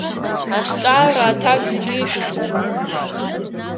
Азҵаара аҭак зегьы ишәызкуп.